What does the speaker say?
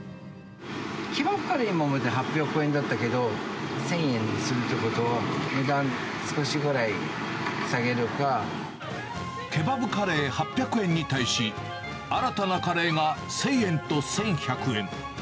ケバブカレーは今まで８００円だったけど、１０００円にするってことは、値段、少しぐらい下ケバブカレー８００円に対し、新たなカレーが１０００円と１１００円。